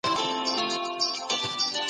ټولنه د سياست له لاري اداره کيږي.